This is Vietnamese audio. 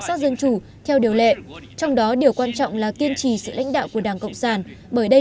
sắc dân chủ theo điều lệ trong đó điều quan trọng là kiên trì sự lãnh đạo của đảng cộng sản bởi đây